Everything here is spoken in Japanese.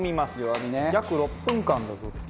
約６分間だそうです。